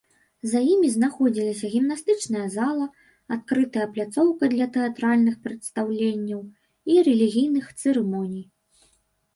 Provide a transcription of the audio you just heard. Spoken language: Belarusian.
За імі знаходзіліся гімнастычная зала, адкрытая пляцоўка для тэатральных прадстаўленняў і рэлігійных цырымоній.